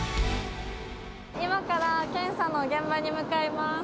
今から検査の現場に向かいます。